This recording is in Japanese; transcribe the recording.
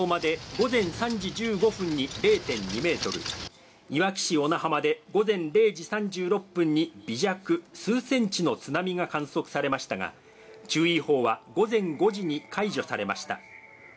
相馬で午前３時１５分に０．２メートル、いわき市小名浜で午前０時３６分に微弱、数センチの津波が観測されましたが、注意報は午前５時に解除されました。